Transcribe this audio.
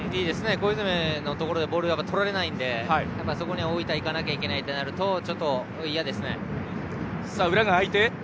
小泉のところでボールがとられないのでそこに大分はいかなきゃいけなくなるとちょっと、嫌ですね。